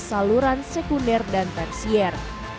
saluran sekunder dan persier